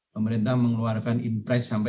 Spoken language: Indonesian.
pemerintah mengeluarkan in price sampai